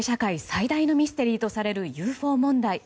最大のミステリーとされるＵＦＯ問題。